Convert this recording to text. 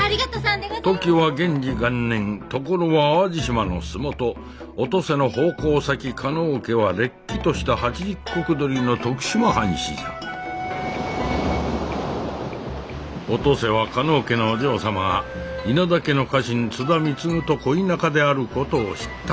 時は元治元年所は淡路島の洲本お登勢の奉公先加納家はれっきとした８０石取りの徳島藩士じゃお登勢は加納家のお嬢様が稲田家の家臣津田貢と恋仲であることを知った。